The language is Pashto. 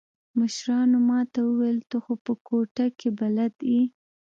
مشرانو ما ته وويل ته خو په کوټه کښې بلد يې.